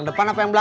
bukan sakit kepala